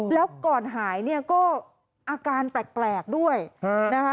แล้วก่อนหายเนี่ยก็อาการแปลกด้วยนะคะ